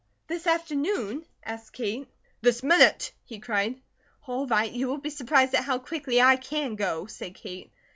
This afternoon?" asked Kate. "This minute!" he cried. "All right. You will be surprised at how quickly I can go," said Kate.